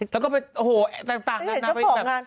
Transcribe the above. แล้วก็ไปโอ้โหต่างแล้ว